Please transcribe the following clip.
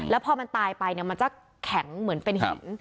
แล้วพอมันตายไปเนี่ยมันจะแข็งเหมือนเป็นหิน